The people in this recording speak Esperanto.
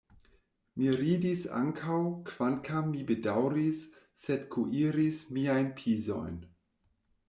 Mi ridis ankaŭ, kvankam mi bedaŭris, sed kuiris miajn pizojn.